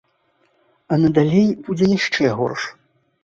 А надалей будзе яшчэ горш.